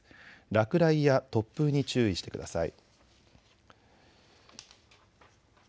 落雷や突風に注意してください。